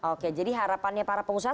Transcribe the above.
oke jadi harapannya para pengusaha